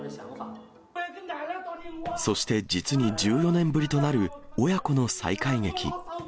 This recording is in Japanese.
そして実に１４年ぶりとなる親子の再会劇。